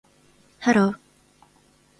Hello